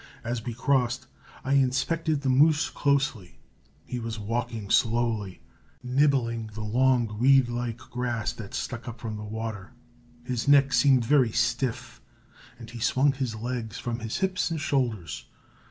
As we crossed, I inspected the moose closely. He was walking slowly, nibbling the long reed like grass that stuck up from the water. His neck seemed very stiff, and he swung his legs from his hips and shoulders.